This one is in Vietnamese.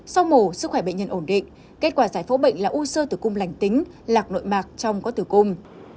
sau mổ sức khỏe bệnh nhân ổn định kết quả giải phẫu bệnh là u sơ tử cung lành tính lạc nội mạc trong có tử cung